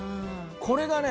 これがね